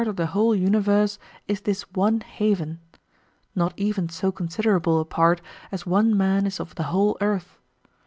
of the whole universe, is this one heaven ; not even so con siderable a part as one man is of the whole earth.